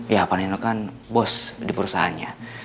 ya paling tidak kan bos di perusahaannya